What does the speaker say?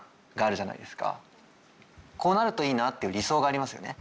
こうなるといいなっていう理想がありますよね。